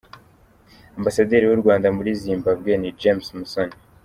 Ambasaderi w’u Rwanda muri Zimbabwe ni James Musoni